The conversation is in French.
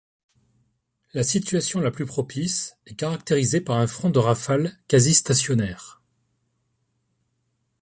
La situation la plus propice est caractérisée par un front de rafales quasi stationnaire.